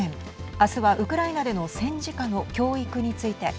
明日はウクライナでの戦時下の教育について。